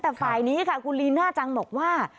แต่ฝ่ายนี้ค่ะคุณลีน่าจังบอกว่า